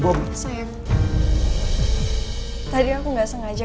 mu c peptam itu aja